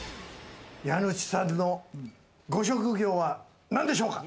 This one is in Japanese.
家主さんのご職業は何でしょうか？